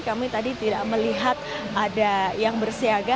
kami tadi tidak melihat ada yang bersiaga